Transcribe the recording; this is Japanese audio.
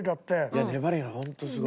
いや粘りがホントすごい。